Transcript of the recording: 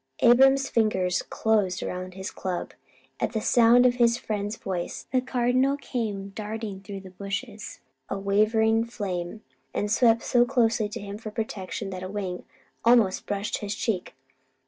Abram's fingers closed around his club. At the sound of his friend's voice, the Cardinal came darting through the bushes a wavering flame, and swept so closely to him for protection that a wing almost brushed his cheek.